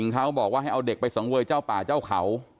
เขาบอกว่าให้เอาเด็กไปสังเวยเจ้าป่าเจ้าเขา